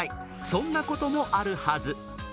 そんなこともあるはず。